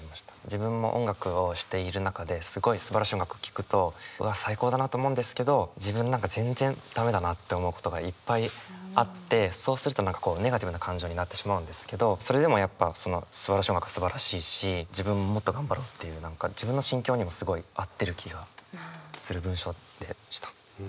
自分も音楽をしている中ですごいすばらしい音楽を聴くとうわ最高だなと思うんですけど自分何か全然駄目だなって思うことがいっぱいあってそうすると何かネガティブな感情になってしまうんですけどそれでもやっぱすばらしい音楽はすばらしいし自分ももっと頑張ろうっていう何か自分の心境にもすごい合ってる気がする文章でした。